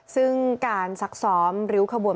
ซึ่งการซักซ้อมริ้วขบวน